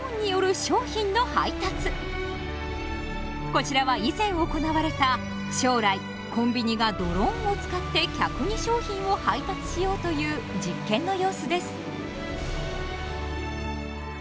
こちらは以前行われた将来コンビニがドローンを使って客に商品を配達しようという実験の様子です。